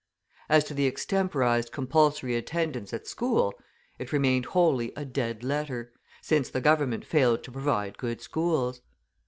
As to the extemporised compulsory attendance at school, it remained wholly a dead letter, since the Government failed to provide good schools.